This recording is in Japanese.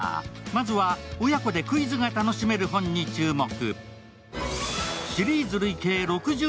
まずは親子でクイズが楽しめる本に注目。